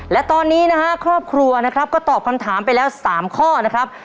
และตอนนี้นะฮะครอบครัวนะครับก็ตอบคำถามไปแล้ว๓ข้อนะครับ